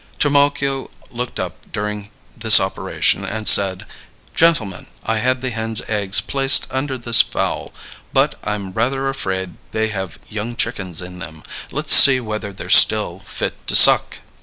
Trimalchio looked up during this operation and said: "Gentlemen, I had the hens' eggs placed under this fowl; but I'm rather afraid they have young chickens in them. Let's see whether they're still fit to suck."